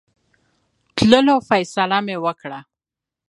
تللو فیصله مې وکړه.